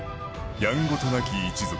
「やんごとなき一族」